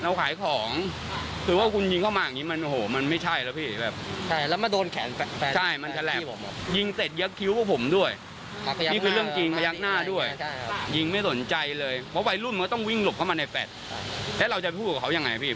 วันนี้ใครจะรับผิดชอบนี้เขาก็ให้ดูแผลนะคะ